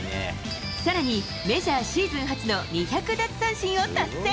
さらに、メジャーシーズン初の２００奪三振を達成。